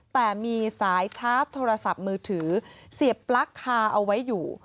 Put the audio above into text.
แต่มีสายชาร์จโทรศัพท์มือถือเสียบปลั๊กคาเอาไว้อยู่